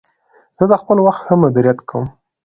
زه د خپل وخت ښه مدیریت کوم.